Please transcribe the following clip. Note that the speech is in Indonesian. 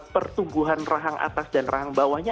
pertumbuhan rahang atas dan rahang bawahnya